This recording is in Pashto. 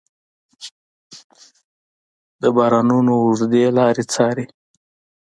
د بارانونو اوږدې لارې څارې